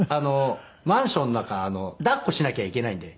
マンションの中抱っこしなきゃいけないんで。